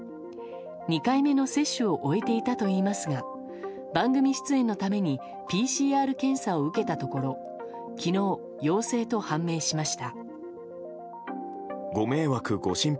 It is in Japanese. ２回目の接種を終えていたといいますが番組出演のためにＰＣＲ検査を受けたところ昨日、陽性と判明しました。